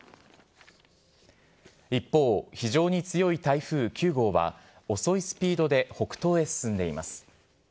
一方、非常に強い台風９号は、遅いスピードで北東へ進んでいます。